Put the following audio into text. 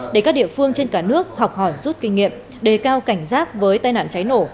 để các địa phương trên cả nước học hỏi rút kinh nghiệm đề cao cảnh giác với tai nạn cháy nổ